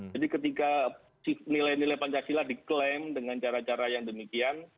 jadi ketika nilai nilai pancasila diklaim dengan cara cara yang demikian